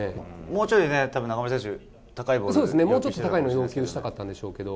もうちょいね、中村選手、そうですね、もうちょっと高いの要求したかったんでしょうけど。